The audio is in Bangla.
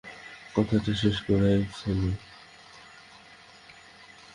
কথাটা শেষ করিয়াই ফেলো।